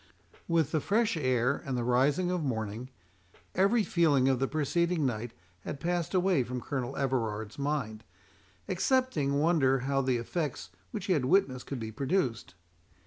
With the fresh air and the rising of morning, every feeling of the preceding night had passed away from Colonel Everard's mind, excepting wonder how the effects which he had witnessed could be produced.